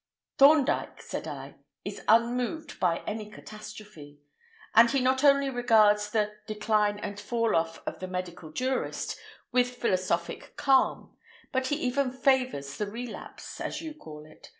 "Thorndyke," said I, "is unmoved by any catastrophe; and he not only regards the 'Decline and Fall off of the Medical Jurist' with philosophic calm, but he even favours the relapse, as you call it.